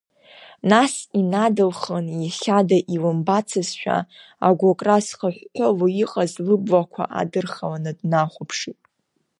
Нас инадылхын, иахьада илымбацызшәа агәыкра зхыҳәҳәыла иҟаз лыблақәа адырхаланы днахәаԥшит.